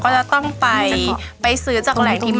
ยังเป็นของเดิม